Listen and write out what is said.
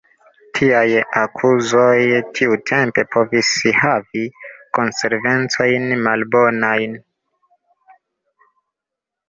Tiaj akuzoj tiutempe povis havi konsekvencojn malbonajn.